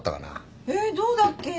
えっどうだっけ。